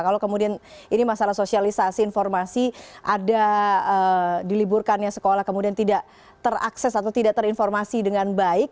kalau kemudian ini masalah sosialisasi informasi ada diliburkannya sekolah kemudian tidak terakses atau tidak terinformasi dengan baik